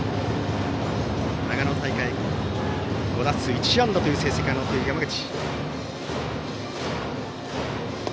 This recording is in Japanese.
長野大会、５打数１安打という成績を残している山口。